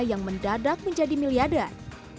yang mendadak menjadi miliadan